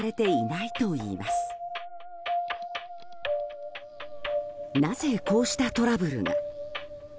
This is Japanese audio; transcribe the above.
なぜ、こうしたトラブルが？